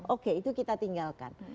oke itu kita tinggalkan